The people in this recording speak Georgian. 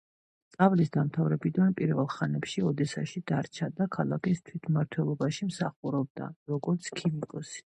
სწავლის დამთავრებიდან პირველ ხანებში ოდესაში დარჩა და ქალაქის თვითმმართველობაში მსახურობდა, როგორც ქიმიკოსი.